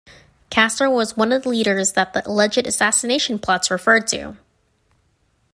Castro was one of the leaders that the "alleged assassination plots" referred to.